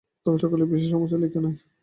তবে সকলের বিশেষ সমাচার লিখ নাই।